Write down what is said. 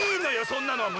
そんなのは！